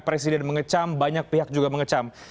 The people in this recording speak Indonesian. presiden mengecam banyak pihak juga mengecam